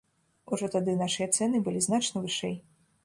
Ужо тады нашыя цэны былі значна вышэй.